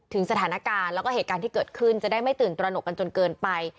สถานการณ์แล้วก็เหตุการณ์ที่เกิดขึ้นจะได้ไม่ตื่นตระหนกกันจนเกินไป